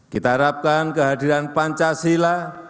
kita harapkan kehadiran pancasila